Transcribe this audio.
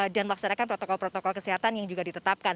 dan melaksanakan protokol protokol kesehatan yang juga ditetapkan